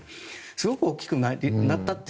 すごく大きくなったと。